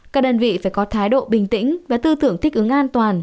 các đơn vị phải có thái độ bình tĩnh và tư tưởng thích ứng an toàn